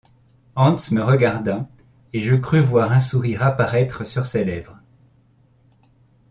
Hans me regarda et je crus voir un sourire apparaître sur ses lèvres.